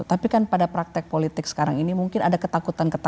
tapi kan pada praktek politik sekarang ini mungkin ada ketakutan ketakutan